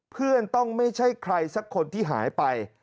เพื่อนต้องไม่ใช่ใครสักคนที่หายไป